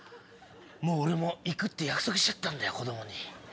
もう俺も行くって約束しちゃったんだよ子供に。